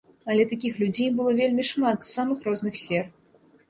Але такіх людзей было вельмі шмат з самых розных сфер.